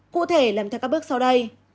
cụ thể làm theo các bước sau đây